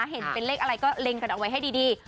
เห็นเป็นเลขอะไรก็เล็งกันเอาไว้ให้ดี